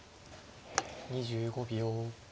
２５秒。